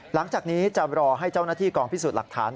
หลังจากนี้จะรอให้เจ้าหน้าที่กองพิสูจน์หลักฐาน